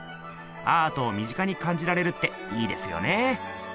アートを身近にかんじられるっていいですよね。